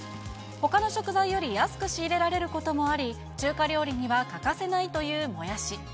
ほかの食材より安く仕入れられることもあり、中華料理には欠かせないというもやし。